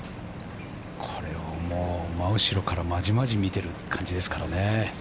これはもう真後ろからまじまじ見ている感じですからね。